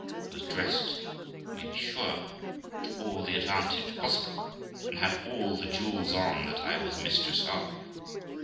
I was dressed, you may be sure, to all the advantage possible, and had all the jewels on that I was mistress of.